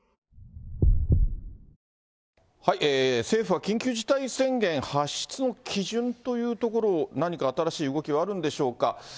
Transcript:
政府は緊急事態宣言発出の基準というところを何か新しい動きはあるんでしょうか。